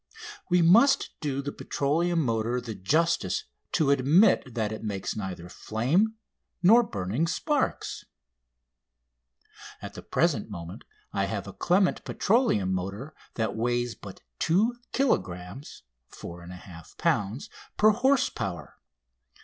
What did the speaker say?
We must do the petroleum motor the justice to admit that it makes neither flame nor burning sparks. At the present moment I have a Clement petroleum motor that weighs but 2 kilogrammes (4 1/2 lbs.) per horse power.